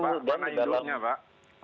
mana indonya pak